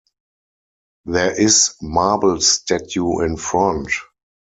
There is marble statue in front.